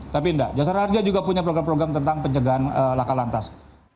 tapi enggak jasa raharja juga punya program program tentang penjagaan laka lantas